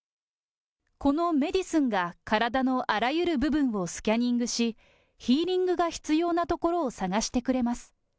このメディスンが体のあらゆる部分をスキャニングし、ヒーリングが必要なところを探してくれます。